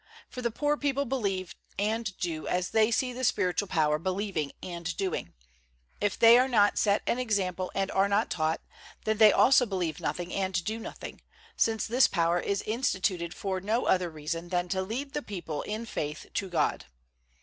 For the poor people believe and do as they see the spiritual power believing and doing; if they are not set an example and are not taught, then they also believe nothing and do nothing; since this power is instituted for no other reason than to lead the people in faith to God.